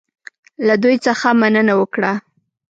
له دوی څخه مننه وکړه.